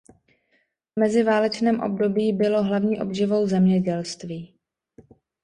V meziválečném období bylo hlavní obživou zemědělství.